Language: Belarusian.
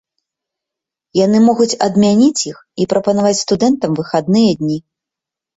Яны могуць адмяніць іх і прапанаваць студэнтам выхадныя дні.